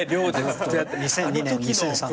２００２年２００３年。